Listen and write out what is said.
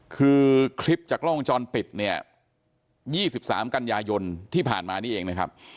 คือคลิปจากกล้องวงจรปิดเนี่ย๒๓กันยายนที่ผ่านมานี่เองนะครับ